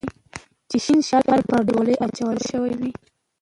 چې شین شال پر ډولۍ اچول شوی و